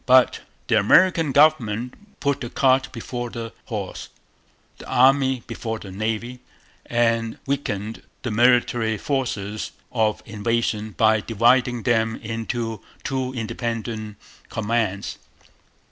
But the American government put the cart before the horse the Army before the Navy and weakened the military forces of invasion by dividing them into two independent commands.